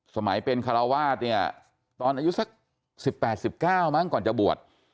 สมัยเป็นคารวาดเนี่ยตอนอายุซักสิบแปดสิบเก้าก่อนจะบวช